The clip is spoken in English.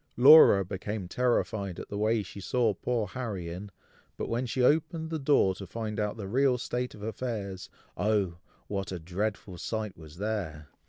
Laura became terrified at the way she saw poor Harry in, but when she opened the door to find out the real state of affairs, oh! what a dreadful sight was there!